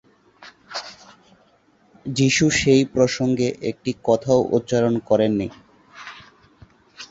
যিশু সেই প্রসঙ্গে একটি কথাও উচ্চারণ করেননি।